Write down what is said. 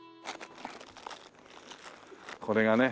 これがね